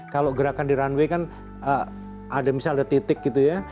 kalau gerakan di runway kan ada misalnya ada titik gitu ya